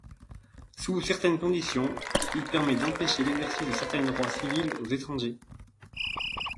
Sous certaines conditions, il permet d'empêcher l'exercice de certains droits civils aux étrangers.